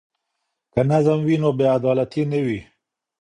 که نظم وي نو بې عدالتي نه وي.